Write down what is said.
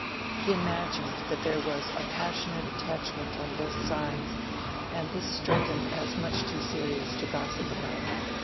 He imagined that there was a passionate attachment on both sides, and this struck him as much too serious to gossip about.